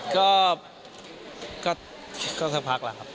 ก็ก็สักพักละครับ